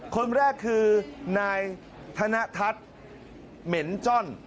คนแรกคือนายธนทัศน์เหม็นจ้อน